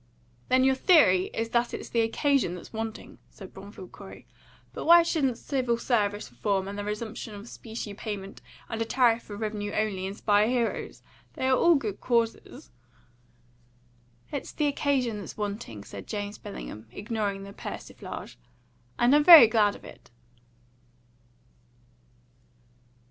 "Then your theory is that it's the occasion that is wanting," said Bromfield Corey. "But why shouldn't civil service reform, and the resumption of specie payment, and a tariff for revenue only, inspire heroes? They are all good causes." "It's the occasion that's wanting," said James Bellingham, ignoring the persiflage. "And I'm very glad of it."